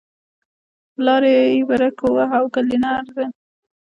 لارۍ برېک وواهه او کلينر زه.